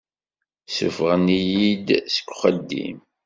Suffɣen-iyi-d seg uxeddim.